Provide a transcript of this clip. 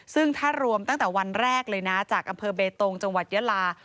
ซึ่งถ้ารวมตั้งแต่วันแรกเลยนะจากอำเภอเบตงจังหวัดยาลา